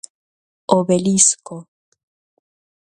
Obelisco.